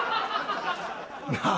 なあ。